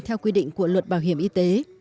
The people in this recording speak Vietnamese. theo quy định của luật bảo hiểm y tế